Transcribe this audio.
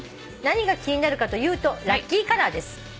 「何が気になるかというとラッキーカラーです」